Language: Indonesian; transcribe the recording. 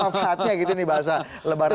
pengatnya gitu nih bahasa lebaran ini